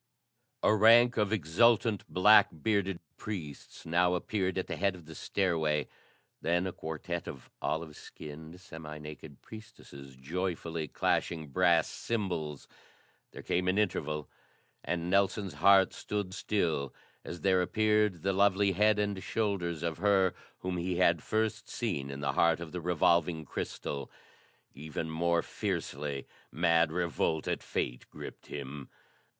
A rank of exultant, black bearded priests now appeared at the head of the stairway, then a quartet of olive skinned, semi naked priestesses joyfully clashing brass cymbals. There came an interval and Nelson's heart stood still as there appeared the lovely head and shoulders of her whom he had first seen in the heart of the revolving crystal. Even more fiercely, mad revolt at fate gripped him.